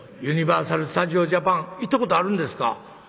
ユニバーサル・スタジオ・ジャパン行ったことあるんですか？」。